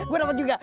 gua dapet juga